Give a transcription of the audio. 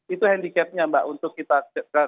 itu handicapnya mbak untuk kita